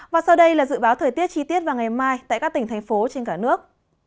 và sau đây là dự báo thời tiết chi tiết vào ngày mai tại các tỉnh thành phố trên cả nước